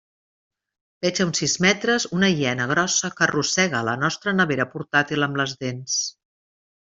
Veig a uns sis metres una hiena grossa que arrossega la nostra nevera portàtil amb les dents.